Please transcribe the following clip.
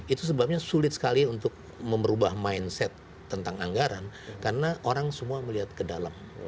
itu sebabnya sulit sekali untuk merubah mindset tentang anggaran karena orang semua melihat ke dalam